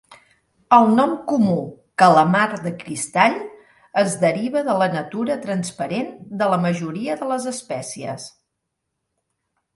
El nom comú, calamar de cristall, es deriva de la natura transparent de la majoria de les espècies.